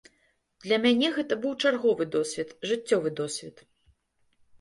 Для мяне гэта быў чарговы досвед, жыццёвы досвед.